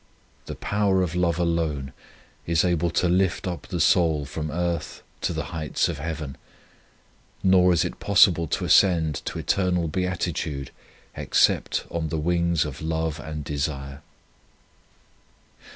The power of love alone is able to lift up the soul from earth to the heights of Heaven, nor is it possible to ascend to eternal beatitude except on the wings of love and desire.